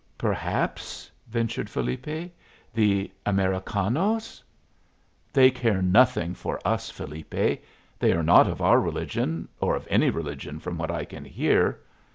"Perhaps," ventured Felipe, "the Americanos " "They care nothing for us, Felipe. They are not of our religion or of any religion, from what I can hear.